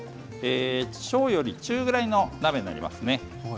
小より中ぐらいの鍋になりますね。